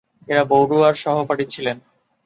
এরা বরুয়ার সহপাঠী ছিলেন।